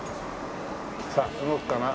さあ動くかな？